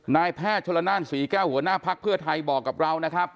นายแพทย์ชนละนานศรีแก้วหัวหน้าภักดิ์เพื่อไทยบอกกับเรานะครับ